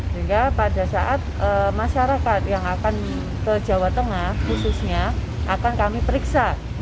sehingga pada saat masyarakat yang akan ke jawa tengah khususnya akan kami periksa